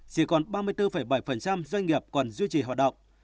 chỉ còn ba mươi bốn bảy doanh nghiệp còn duy trì hoạt động